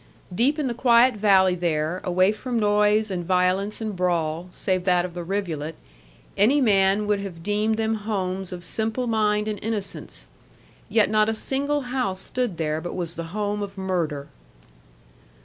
Deep in the quiet valley there, away from noise, and violence, and brawl, save that of the rivulet, any man would have deemed them homes of simple mind and innocence. Yet not a single house stood there but was the home of murder.